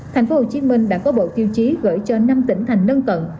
thành phố hồ chí minh đã có bộ tiêu chí gửi cho năm tỉnh thành nâng cận